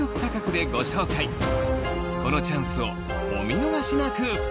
このチャンスをお見逃しなく！